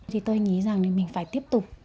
thì tôi nghĩ rằng mình phải tiếp tục